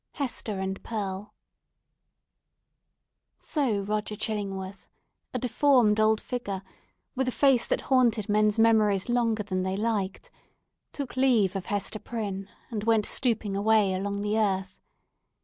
HESTER AND PEARL So Roger Chillingworth—a deformed old figure with a face that haunted men's memories longer than they liked—took leave of Hester Prynne, and went stooping away along the earth.